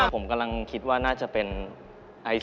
ผมกำลังคิดว่าน่าจะเป็นไอซ